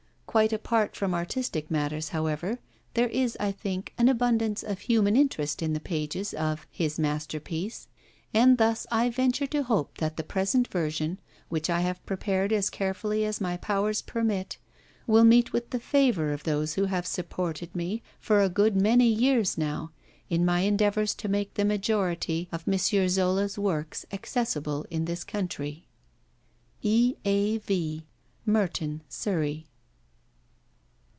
Quite apart from artistic matters, however, there is, I think, an abundance of human interest in the pages of 'His Masterpiece,' and thus I venture to hope that the present version, which I have prepared as carefully as my powers permit, will meet with the favour of those who have supported me, for a good many years now, in my endeavours to make the majority of M. Zola's works accessible in this country. E. A. V. MERTON, SURREY.